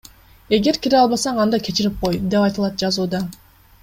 Эгер кире албасан, анда кечирип кой, — деп айтылат жазууда.